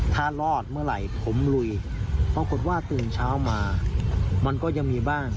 ถ้ารอดเมื่อไหร่ผมลุยปรากฏว่าตื่นเช้ามามันก็ยังมีบ้าง